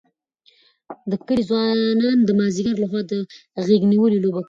د کلي ځوانان د مازدیګر لخوا د غېږ نیونې لوبه کوي.